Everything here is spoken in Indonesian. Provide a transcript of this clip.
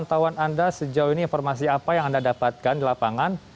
pantauan anda sejauh ini informasi apa yang anda dapatkan di lapangan